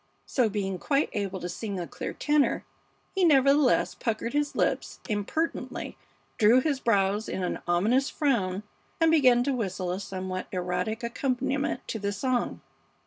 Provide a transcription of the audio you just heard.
So, being quite able to sing a clear tenor, he nevertheless puckered his lips impertinently, drew his brows in an ominous frown, and began to whistle a somewhat erratic accompaniment to the song.